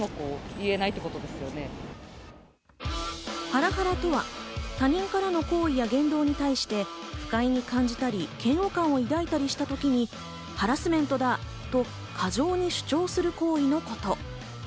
ハラハラとは他人からの行為や言動に対して不快に感じたり嫌悪感などを抱いたりしたときに、ハラスメントだと過剰に主張する行為のこと。